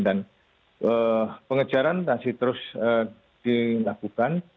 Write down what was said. dan pengejaran masih terus dilakukan